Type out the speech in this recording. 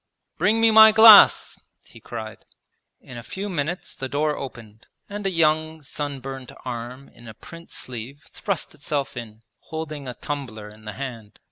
'Bring me my glass!' he cried. In a few minutes the door opened and a young sunburnt arm in a print sleeve thrust itself in, holding a tumbler in the hand.